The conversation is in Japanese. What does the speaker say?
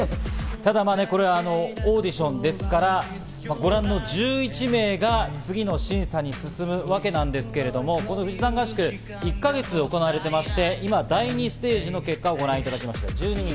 こちらはオーディションですから、ご覧の１１名が次の審査に進むわけなんですけれども、富士山合宿、１か月行われていて、今、第２ステージの結果をご覧いただきました。